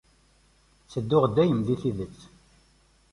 Ttedduɣ dayem di tidet.